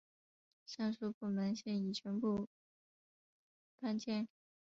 上述部门现已全部搬迁。